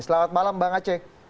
selamat malam bang aceh